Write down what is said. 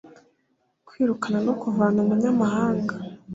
kwirukana no kuvana umunyamahanga